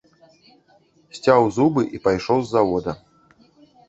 Сцяў зубы і пайшоў з завода.